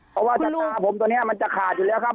เพราะว่าชะตาผมตัวนี้มันจะขาดอยู่แล้วครับ